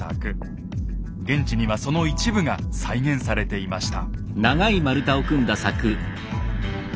現地にはその一部が再現されていました。